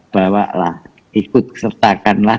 bahwa lah ikut kesertakanlah